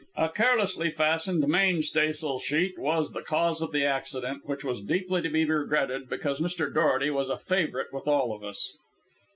A carelessly fastened mainstaysail sheet was the cause of the accident, which was deeply to be regretted because Mr. Dorety was a favourite with all of us."